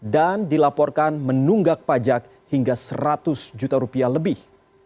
dan dilaporkan menunggak pajak hingga seratus juta rupiah lebih